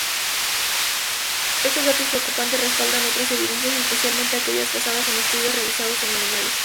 Estos datos preocupantes respaldan otras evidencias, especialmente aquellas basadas en estudios realizados en animales.